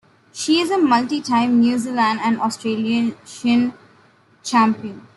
She is a multi-time New Zealand and Australasian Champion.